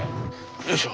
よいしょ！